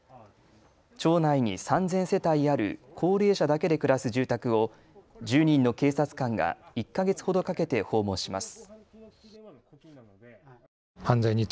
町内に３０００世帯ある高齢者だけで暮らす住宅を１０人の警察官が１か月ほどかけて訪問します。